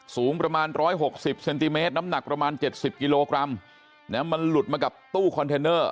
สูงประมาณ๑๖๐เซนติเมตรน้ำหนักประมาณ๗๐กิโลกรัมมันหลุดมากับตู้คอนเทนเนอร์